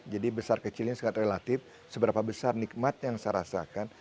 jadi besar kecil ini sangat relatif seberapa besar nikmat yang saya rasakan